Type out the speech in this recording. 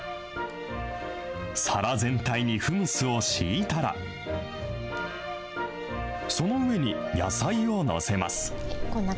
皿全体にフムスを敷いたら、その上に野菜を載せます。